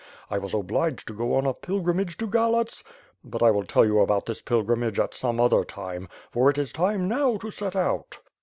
I was obliged to go on a pilgrimage to Galatz, — but I will tell you about this pil grimage at some other time, for it is time now to set out."